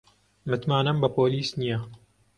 متمانەم بە پۆلیس نییە.